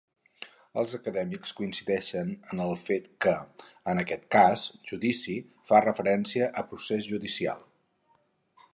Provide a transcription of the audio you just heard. Els acadèmics coincideixen en el fet que, en aquest cas, "judici" fa referència a "procés judicial".